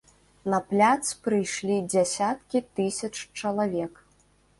На пляц прыйшлі дзясяткі тысяч чалавек.